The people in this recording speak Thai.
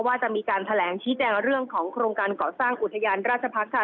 ว่าจะมีการแถลงชี้แจงเรื่องของโครงการก่อสร้างอุทยานราชพักษ์ค่ะ